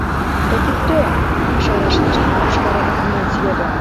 — Да ты кто? — ик шара шинчан йошкарармеец йодо.